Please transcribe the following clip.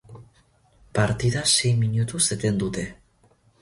Partida sei minutuz eten dute.